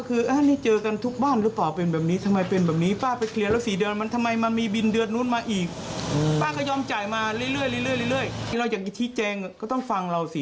เราอย่างอิทธิแจงก็ต้องฟังเราสิ